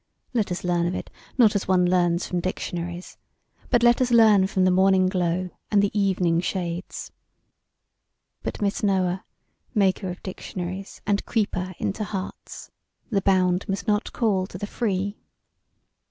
Let us learn of it, not as one learns from dictionaries, but let us learn from the morning glow and the evening shades. But Miss Noah, maker of dictionaries and creeper into hearts, the bound must not call to the free.